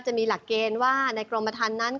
จะมีหลักเกณฑ์ว่าในกรมประธานนั้น